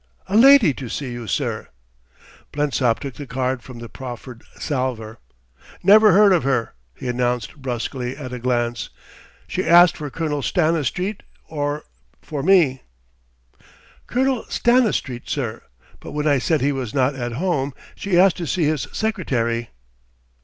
"A lady to see you, sir." Blensop took the card from the proffered salver. "Never heard of her," he announced brusquely at a glance. "She asked for Colonel Stanistreet or for me?" "Colonel Stanistreet, sir. But when I said he was not at home, she asked to see his secretary."